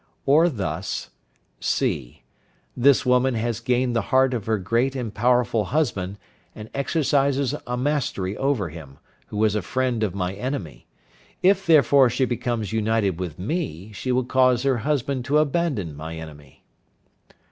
Or thus: (c). This woman has gained the heart of her great and powerful husband, and exercises a mastery over him, who is a friend of my enemy; if, therefore, she becomes united with me, she will cause her husband to abandon my enemy.